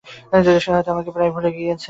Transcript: সে হয়তো তোমাকে প্রায় ভুলেই গেয়েছে।